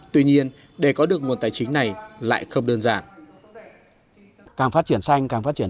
tuy nhiên để có được nguồn tài chính này lại không đơn giản